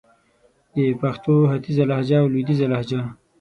د پښتو ختیځه لهجه او لويديځه لهجه